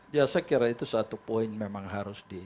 ya saya kira itu satu poin memang harus di